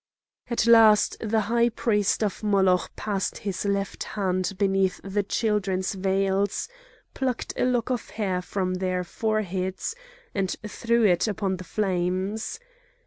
At last the high priest of Moloch passed his left hand beneath the children's veils, plucked a lock of hair from their foreheads, and threw it upon the flames.